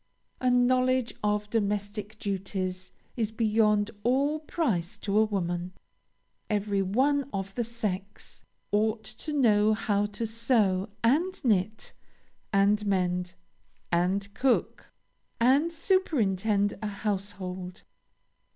A knowledge of domestic duties is beyond all price to a woman. Every one of the sex ought to know how to sew, and knit, and mend, and cook, and superintend a household.